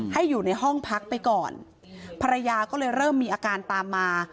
อยู่ในห้องพักไปก่อนภรรยาก็เลยเริ่มมีอาการตามมา